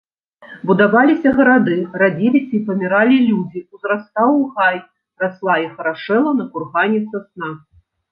Будаваліся гарады, радзіліся і паміралі людзі, узрастаў гай, расла і харашэла на кургане сасна.